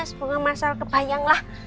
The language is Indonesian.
semoga mas al kebayang lah